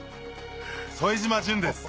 副島淳です